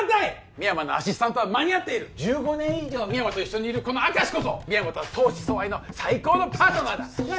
深山のアシスタントは間に合っている１５年以上深山と一緒にいるこの明石こそ深山とは相思相愛の最高のパートナーだなあ